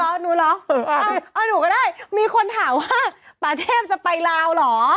เอาหนูเหรอเอาหนูก็ได้มีคนถามว่าป่าเทพจะไปลาวเหรอ